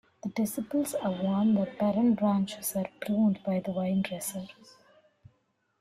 The disciples are warned that barren branches are pruned by the vinedresser.